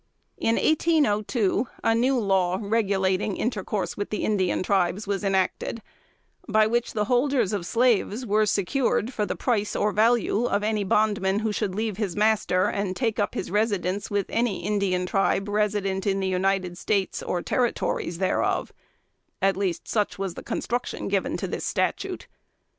In 1802, a new law regulating intercourse with the Indian tribes was enacted, by which the holders of slaves were secured for the price or value of any bondmen who should leave his master and take up his residence with any Indian tribe resident in the United States, or Territories thereof at least such was the construction given to this statute.